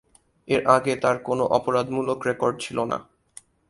এর আগে তার কোন অপরাধমূলক রেকর্ড ছিল না।